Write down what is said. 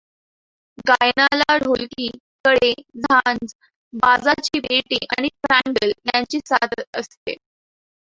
गायनाला ढोलकी, कडे, झांज, बाजाची पेटी आणि ट्रँगल यांची साथ असते.